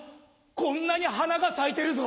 こんなに花が咲いてるぞ。